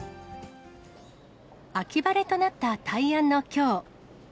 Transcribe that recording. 秋晴れとなった大安のきょう。